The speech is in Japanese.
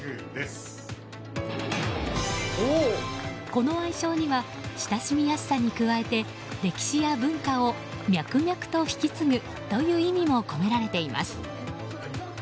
この愛称には親しみやすさに加えて歴史や文化を脈々と引き継ぐという意味も込められています。